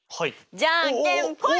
じゃんけんぽい！